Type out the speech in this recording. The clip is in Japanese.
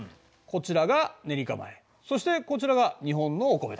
こちらがネリカ米そしてこちらが日本のお米だ。